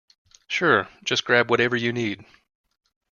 Sure, just grab whatever you need.